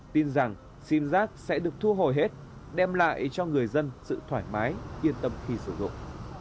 tin rằng sim giác sẽ được thu hồi hết đem lại cho người dân sự thoải mái yên tâm khi sử dụng